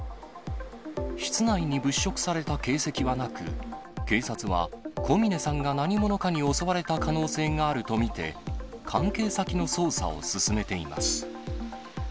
室内に物色された形跡はなく、警察は、小峰さんが何者かに襲われた可能性があると見て、関係先の捜査を進めています。